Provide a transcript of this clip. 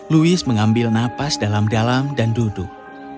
louis mengambil napas dalam dalam dan duduk